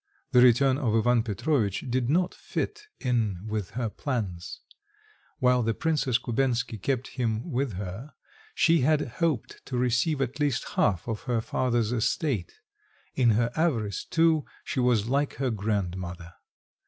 The return of Ivan Petrovitch did not fit in with her plans; while the Princess Kubensky kept him with her, she had hoped to receive at least half of her father's estate; in her avarice, too, she was like her grandmother.